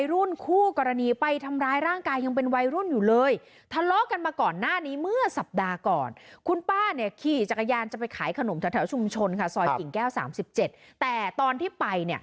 ซอยกิ่งแก้ว๓๗แต่ตอนที่ไปเนี่ย